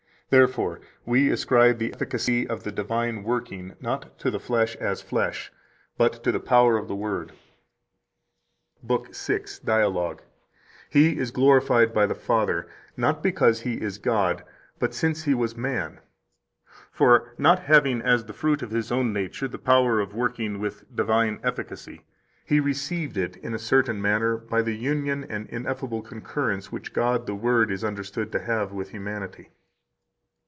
Therefore, we ascribe the efficacy of the divine working not to the flesh as flesh, but to the power of the Word." 127 Lib. 6, Dialog. (t. 5, op. ed. cit.): "He is glorified by the Father, not because He is God, but since He was man; for, not having as the fruit of His own nature the power of working with divine efficacy, He received it in a certain manner by the union and ineffable concurrence which God the Word is understood to have with humanity."